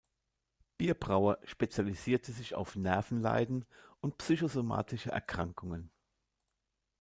Bierbrauer spezialisierte sich auf Nervenleiden und psychosomatische Erkrankungen.